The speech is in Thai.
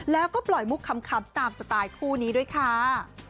แล้วก็ปล่อยมุกคำตามสไตล์คู่นี้ด้วยค่ะ